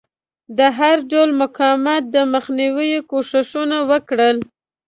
د هر ډول مقاومت د مخنیوي کوښښونه وکړل.